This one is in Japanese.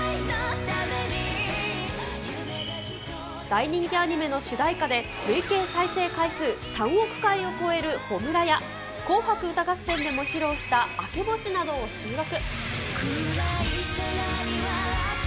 大人気アニメの主題歌で、累計再生回数３億回を超える炎や、紅白歌合戦でも披露した明け星などを収録。